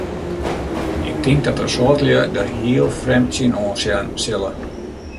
Ik tink dat in soad lju dêr hiel frjemd tsjinoan sjen sille.